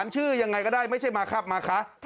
ชื่อยังไงก็ได้ไม่ใช่มาครับมาคะ